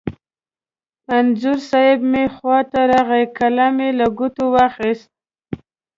انځور صاحب مې خوا ته راغی، قلم یې له ګوتو واخست.